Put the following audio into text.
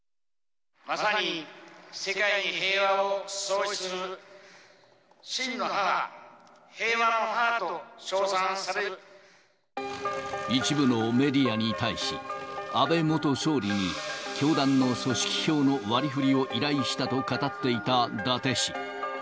まさに世界に平和を創出する、一部のメディアに対し、安倍元総理に教団の組織票の割りふりを依頼したと語っていた伊達氏。